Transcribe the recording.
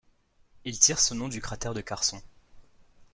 Il tire son nom du cratère de Carson.